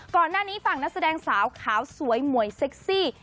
ก่อนหน้านี้ฝั่งนักแสดงสาวขาวสวยหมวยเซ็กซี่